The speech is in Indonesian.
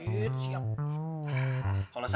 kalau sampai anda menang kita kerja sama